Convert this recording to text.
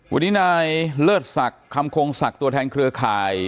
วันนี้นายเลิศศักดิ์คำคงศักดิ์ตัวแทนเครือข่าย